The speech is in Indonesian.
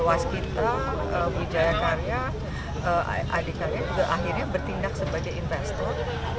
waskita bu jaya karya adhikarya akhirnya bertindak sebagai investor